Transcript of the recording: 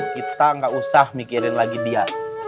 kita gak usah mikirin lagi dia